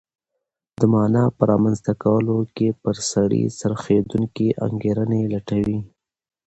د مانا په رامنځته کولو کې پر سړي څرخېدونکې انګېرنې لټوي.